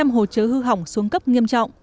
hai trăm linh hồ chứa hư hỏng xuống cấp nghiêm trọng